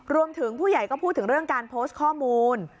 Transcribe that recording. ผู้ใหญ่ก็พูดถึงเรื่องการโพสต์ข้อมูล